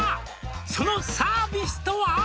「そのサービスとは？」